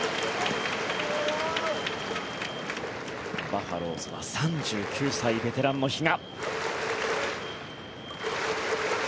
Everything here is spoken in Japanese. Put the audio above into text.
バファローズは３９歳、ベテランの比嘉。